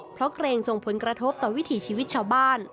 เพราะเกรงส่งผลกระทบต่อวิถีชีวิตชาวบ้าน